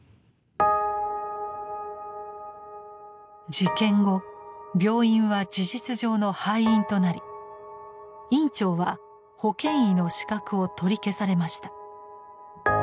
事件後病院は事実上の廃院となり院長は保険医の資格を取り消されました。